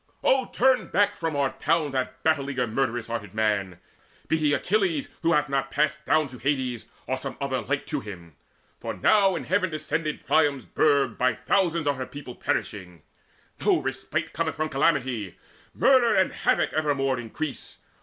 Oh turn back from our town That battle eager murderous hearted man, Be he Achilles who hath not passed down To Hades, or some other like to him. For now in heaven descended Priam's burg By thousands are her people perishing: No respite cometh from calamity: Murder and havoc evermore increase.